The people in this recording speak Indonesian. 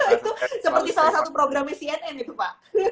itu seperti salah satu programnya cnn itu pak